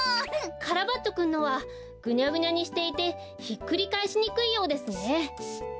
カラバッチョくんのはぐにゃぐにゃにしていてひっくりかえしにくいようですね。